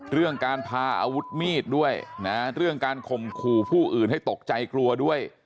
เรื่องการพาอาวุธมีดด้วยนะเรื่องการข่มขู่ผู้อื่นให้ตกใจกลัวด้วย